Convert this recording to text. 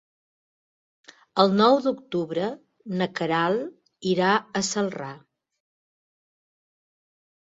El nou d'octubre na Queralt irà a Celrà.